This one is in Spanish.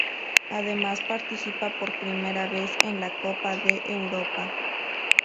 Además participa por primera vez en la Copa de Europa.